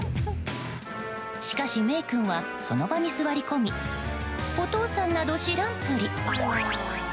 しかしメイ君はその場に座り込みお父さんなど知らんぷり。